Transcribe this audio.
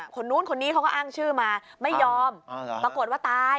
คนนู้นคนนี้เขาก็อ้างชื่อมาไม่ยอมปรากฏว่าตาย